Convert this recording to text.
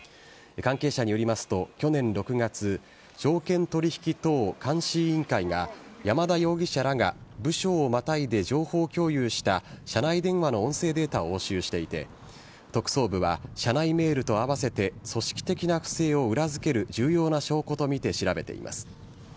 関係者によりますと、去年６月、証券取引等監視委員会が山田容疑者らが、部署をまたいで情報共有した社内電話の音声データを押収していて、特捜部は、社内メールと合わせて組織的な不正を裏付ける重要な証拠と見て、調べています。